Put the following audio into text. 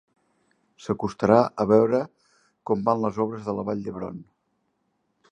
S'acostarà a veure com van les obres de la Vall d'Hebron.